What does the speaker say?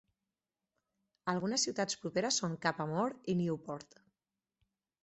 Algunes ciutats properes són Cappamore i Newport.